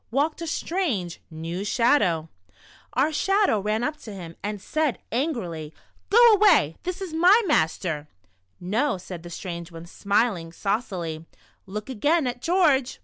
walked a stran«.' e, neii) Sliadoiu ! Our Shadow ran up to him. and said ani^rilv :" Go away, this is my master." •* Xo." said the strange one, smiling saucily, *'look again at George."